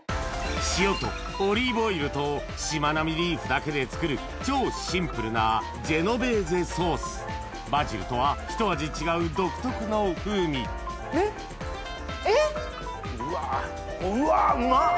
塩とオリーブオイルとしまなみリーフだけで作る超シンプルなジェノベーゼソースバジルとはひと味違う独特の風味うわうわうまっ！